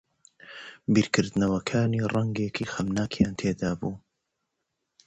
His thoughts were of the sombre cast.